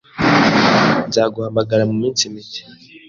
Nzaguhamagara muminsi mike.